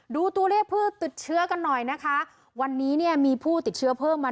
ดูตัวเลขผู้ติดเชื้อกันหน่อยนะคะวันนี้เนี่ยมีผู้ติดเชื้อเพิ่มมา